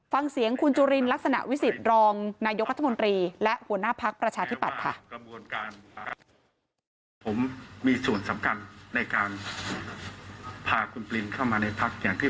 ฟังเสียงคุณจุลินลักษณะวิสิทธิ์รองนายกรัฐมนตรีและหัวหน้าพักประชาธิปัตย์ค่ะ